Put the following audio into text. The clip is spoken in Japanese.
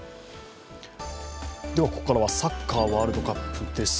ここからはサッカーワールドカップです。